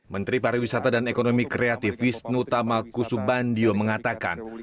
menteri pariwisata dan ekonomi kreatif wisnu tamakusubandio mengatakan